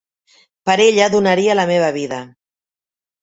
Per ella donaria la meva vida.